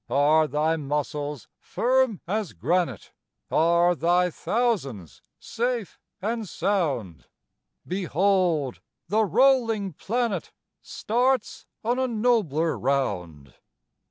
Are thy muscles firm as granite? Are thy thousands safe and sound? Behold! the rolling planet Starts on a nobler round.